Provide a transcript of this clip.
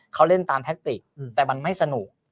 เขาเล่นตามแท็กติกแต่มันไม่สนุก